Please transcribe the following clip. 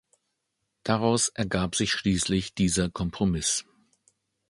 Daraus ergab sich schließlich dieser Kompromiss.